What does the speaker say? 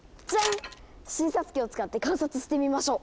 診察機を使って観察してみましょう！